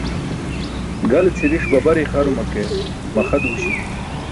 Gale cʰiriṣ babar ixaruma ke maxa duuśi.